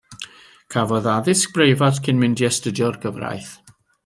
Cafodd addysg breifat cyn mynd i astudio'r gyfraith.